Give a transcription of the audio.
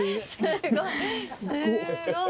すごい。